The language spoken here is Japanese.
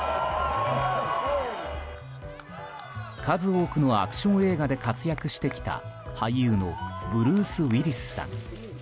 数多くのアクション映画で活躍してきた俳優のブルース・ウィリスさん。